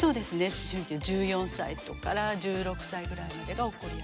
思春期の１４歳から１６歳ぐらいまでが起こりやすい。